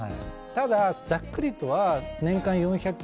ただざっくりとは。